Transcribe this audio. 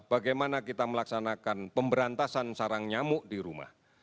bagaimana kita melaksanakan pemberantasan sarang nyamuk di rumah